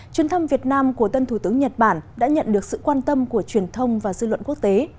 chuyến thăm việt nam của tân thủ tướng nhật bản đã nhận được sự quan tâm của truyền thông và dư luận quốc tế